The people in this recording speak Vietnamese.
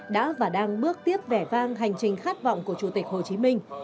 đã và đang bước tiếp vẻ vang hành trình khát vọng của chủ tịch hồ chí minh